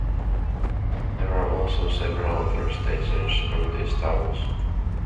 There are also several other stations on these towers.